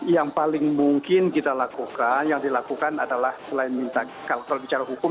yang paling mungkin kita lakukan yang dilakukan adalah selain minta kalau bicara hukum